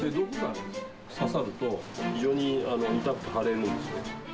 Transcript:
刺さると非常に痛くて腫れるんですね。